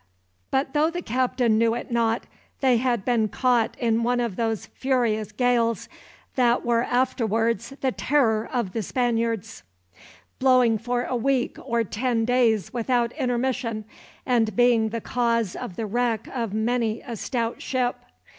But though the captain knew it not, they had been caught in one of those furious gales that were, afterwards, the terror of the Spaniards; blowing for a week or ten days without intermission, and being the cause of the wreck of many a stout ship.